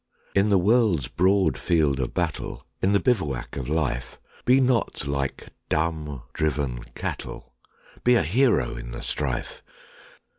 In the world's broad field of battle, In the bivouac of Life, Be not like dumb, driven cattle! Be a hero in the strife!